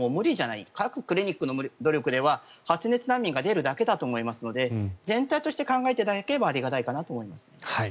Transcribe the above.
各クリニックの努力では発熱難民が出るだけだと思いますので全体として考えていただければありがたいと思います。